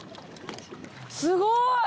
すごい！